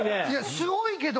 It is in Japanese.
すごいけど。